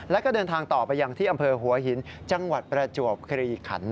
แล้วก็เดินทางต่อไปยังที่อำเภอหัวหินจังหวัดประจวบคลีขัน